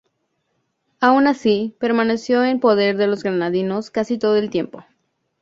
Aun así, permaneció en poder de los granadinos casi todo el tiempo.